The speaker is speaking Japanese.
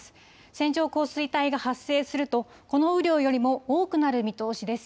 線状降水帯が発生するとこの雨量よりも多くなる見通しです。